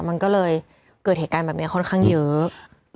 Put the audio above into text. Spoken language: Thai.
มันก็เลยเกิดเหตุการณ์แบบนี้ค่อนข้างเยอะ